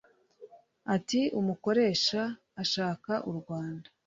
Ati “ Umukoresha ashaka u Rwanda